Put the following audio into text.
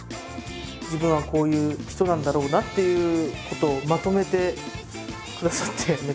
自分はこういう人なんだろうなっていうことをまとめてくださってめちゃくちゃうれしいです。